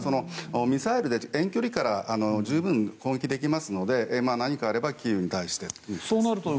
ミサイルで遠距離から攻撃できますので何かあればキーウに対してとなりますね。